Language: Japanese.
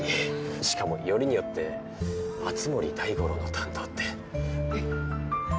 しかもよりによって熱護大五郎の担当って。